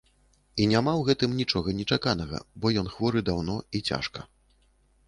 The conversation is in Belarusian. І няма ў гэтым нічога нечаканага, бо ён хворы даўно і цяжка.